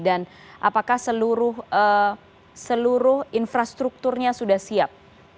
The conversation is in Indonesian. dan apakah seluruh infrastrukturnya sudah siap